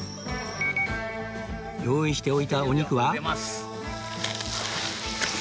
用意しておいたお肉は